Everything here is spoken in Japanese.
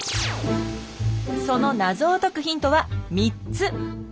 その謎を解くヒントは３つ。